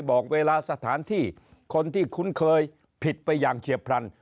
บอกเวลาสถานที่คนที่คุ้นเคยผิดไปอย่างเฉียบพลัน